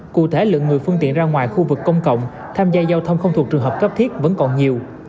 cụ thể lượng người phương tiện ra ngoài khu vực công cộng tham gia giao thông không thuộc trường hợp cấp thiết vẫn còn nhiều